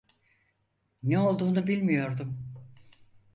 Ne olduğunu bilmiyordum.